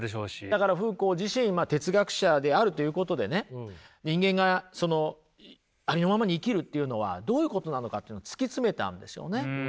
だからフーコー自身哲学者であるということでね人間がありのままに生きるというのはどういうことなのかというのを突き詰めたんですよね。